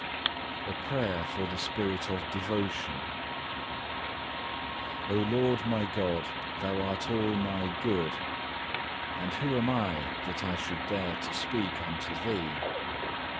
A PRAYER FOR THE SPIRIT OF DEVOTION 6. O Lord my God, Thou art all my good, and who am I that I should dare to speak unto Thee?